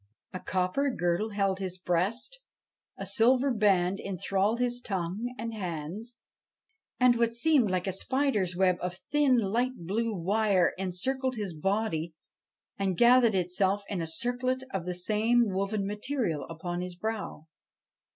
A copper girdle held his breast. A silver band enthralled his tongue and hands, and what seemed like a spider's web of thin, light blue wire encircled his body and gathered itself in a circlet of the same woven material upon his brows.